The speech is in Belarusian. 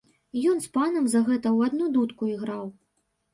Ён з панам за гэта ў адну дудку іграў.